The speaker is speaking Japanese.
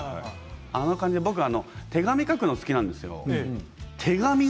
あんな感じで僕は手紙を書くのが好きなんです。